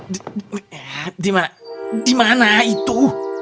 di mana di mana itu